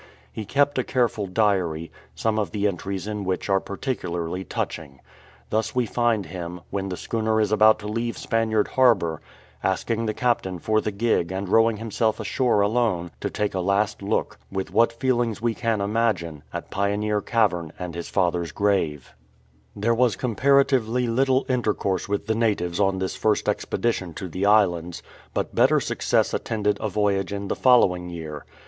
He kept a careful diary, some of the entries in which are particularly touching. Thus we find him, when the schooner is about to leave Spaniard Harbour, asking the captain for the gig and rowing himself ashore alone to take a last look, with what feelings we can imagine, at Pioneer Cavern and his father's grave. 258 JEMMY BUTTON There was comparatively little intercourse with the natives on this first expedition to the islands, but better success attended a voyage in the following year.